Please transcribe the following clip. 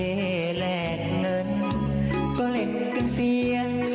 ก่อนที่จะก่อเหตุนี้นะฮะไปดูนะฮะสิ่งที่เขาได้ทิ้งเอาไว้นะครับ